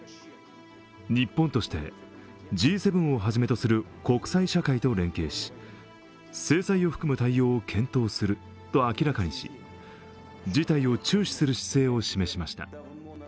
日本として、Ｇ７をはじめとする国際社会と連携し制裁を含む対応を検討すると明らかにし、事態を注視する姿勢を示しました。